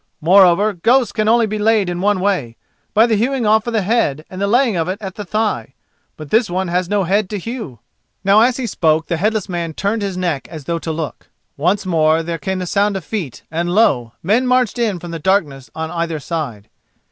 Moreover, ghosts can only be laid in one way—by the hewing off of the head and the laying of it at the thigh. But this one has no head to hew." Now as he spoke the headless man turned his neck as though to look. Once more there came the sound of feet and lo! men marched in from the darkness on either side.